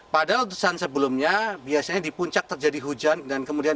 pada letusan sebelumnya biasanya di puncak terjadi hujan dan kemudian